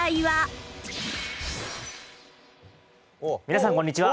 皆さんこんにちは。